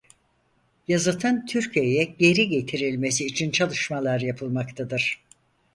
Yazıtın Türkiye'ye geri getirilmesi için çalışmalar yapılmaktadır.